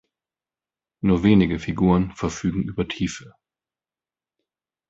Nur wenige Figuren verfügen über Tiefe.